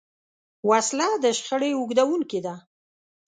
وسله د شخړې اوږدوونکې ده